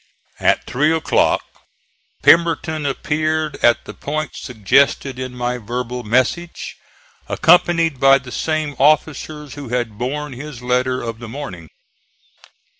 At three o'clock Pemberton appeared at the point suggested in my verbal message, accompanied by the same officers who had borne his letter of the morning.